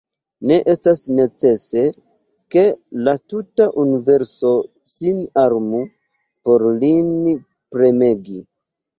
Ne estas necese, ke la tuta universo sin armu, por lin premegi.